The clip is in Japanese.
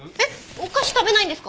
お菓子食べないんですか？